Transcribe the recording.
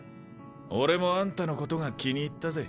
俺もあんたのことが気に入ったぜ。